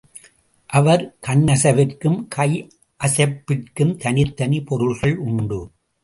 அவர் கண்ணசைவிற்கும், கையசைப்பிற்கும் தனித்தனிப் பொருள்கள் உண்டு.